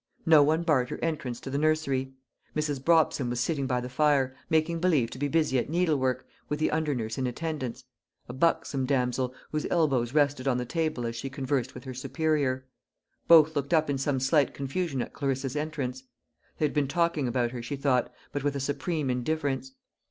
No one barred her entrance to the nursery. Mrs. Brobson was sitting by the fire, making believe to be busy at needlework, with the under nurse in attendance a buxom damsel, whose elbows rested on the table as she conversed with her superior. Both looked up in some slight confusion at Clarissa's entrance. They had been talking about her, she thought, but with a supreme indifference.